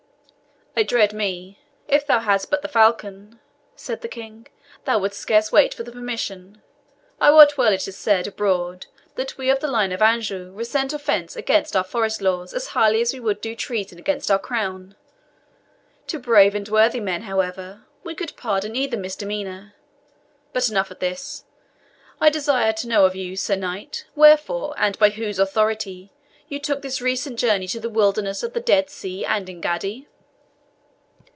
"I dread me, if thou hadst but the falcon," said the King, "thou wouldst scarce wait for the permission. I wot well it is said abroad that we of the line of Anjou resent offence against our forest laws as highly as we would do treason against our crown. To brave and worthy men, however, we could pardon either misdemeanour. But enough of this. I desire to know of you, Sir Knight, wherefore, and by whose authority, you took this recent journey to the wilderness of the Dead Sea and Engaddi?"